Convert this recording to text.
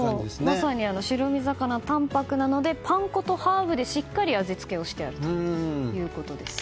まさに白身魚は淡泊なのでパン粉とハーブでしっかり味付けをしてあるということです。